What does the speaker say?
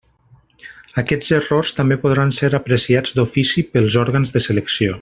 Aquests errors també podran ser apreciats d'ofici pels òrgans de selecció.